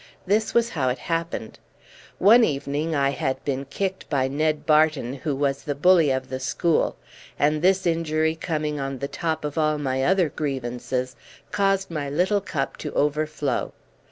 This was how it happened. One evening I had been kicked by Ned Barton, who was the bully of the school; and this injury coming on the top of all my other grievances, caused my little cup to overflow.